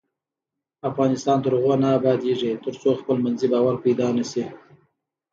افغانستان تر هغو نه ابادیږي، ترڅو خپلمنځي باور پیدا نشي.